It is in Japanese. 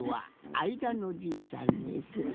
あいだのじいさんです。